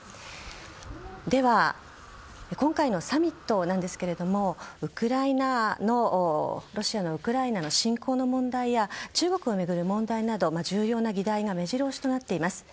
では、今回のサミットなんですがロシアのウクライナの侵攻の問題や中国を巡る問題など重要な議題が目白押しになっています。